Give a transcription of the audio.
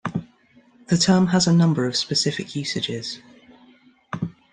The term has a number of specific usages.